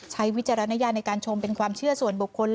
วิจารณญาณในการชมเป็นความเชื่อส่วนบุคคล